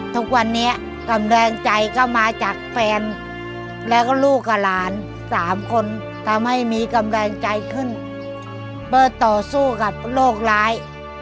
ทุกวันนี้กำลังใจก็มาจากแฟนแล้วก็ลูกกับหลานสามคนทำให้มีกำลังใจขึ้นเพื่อต่อสู้กับโรคร้าย